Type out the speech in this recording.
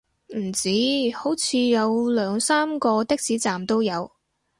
唔止，好似有兩三個的士站都有